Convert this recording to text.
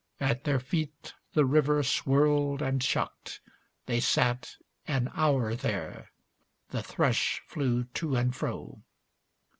At Their feet the river swirled and chucked. They sat An hour there. The thrush flew to and fro.